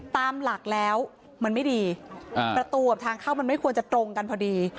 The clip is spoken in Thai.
ตามหลักแล้วมันไม่ดีประตูกับทางเข้ามันไม่ควรจะตรงกันพอดี